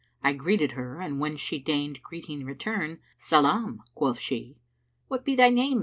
I greeted her and when she deigned * Greeting return, 'Salám,' quoth she 'What be thy name?'